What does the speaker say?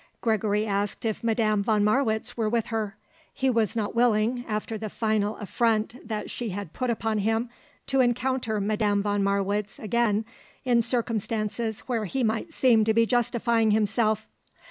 Gregory asked if Madame von Marwitz were with her. He was not willing, after the final affront that she had put upon him, to encounter Madame von Marwitz again in circumstances where he might seem to be justifying himself.